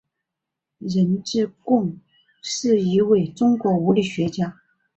任之恭是一位中国物理学家。